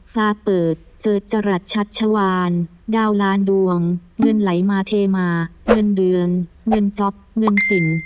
ซาเปิดเจอจรัสชัชวานดาวล้านดวงเงินไหลมาเทมาเงินเดือนเงินจ๊อปเงินสิน